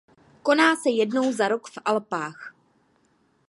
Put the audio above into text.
Koná se jednou za rok v Alpách.